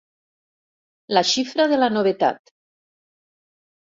La xifra de la novetat.